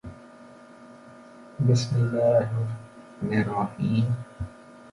جبران خليل جبران فيلسوف وشاعر وكاتب ورسام لبناني أمريكي